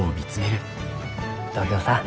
東京さん